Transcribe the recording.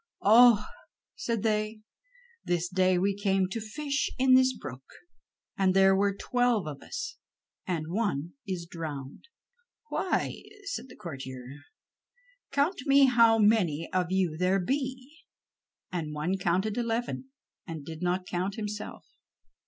"Oh," said they, "this day we came to fish in this brook, and there were twelve of us, and one is drowned." "Why," said the courtier, "count me how many of you there be," and one counted eleven and did not count himself.